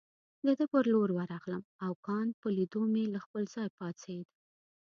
د ده پر لور ورغلم او کانت په لیدو مې له خپل ځای پاڅېد.